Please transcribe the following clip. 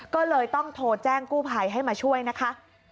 ก็เลยต้องโทรแจ้งกู้ภัยให้มาช่วยนะคะ